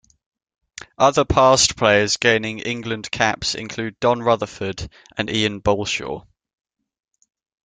Other past players gaining England caps include Don Rutherford and Iain Balshaw.